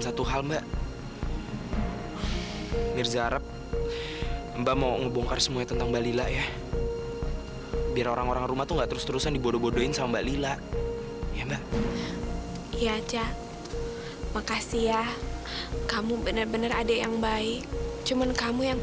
sampai jumpa di video selanjutnya